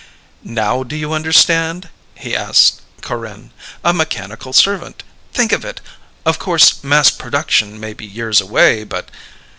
"Now do you understand?" he asked Corinne. "A mechanical servant! Think of it! Of course mass production may be years away, but